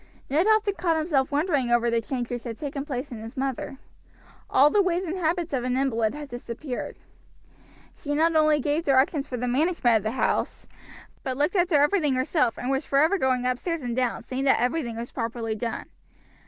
Ned often caught himself wondering over the change which had taken place in his mother. All the ways and habits of an invalid had disappeared. She not only gave directions for the management of the house, but looked after everything herself, and was forever going upstairs and down, seeing that everything was properly done.